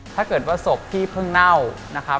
ถ้าเกิดว่าศพที่เพิ่งเน่า